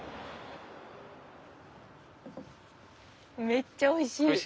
めっちゃおいしい。